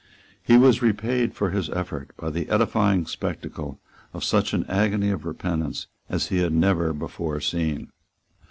He was repaid for his effort by the edifying spectacle of such an agony of repentance as he had never before seen.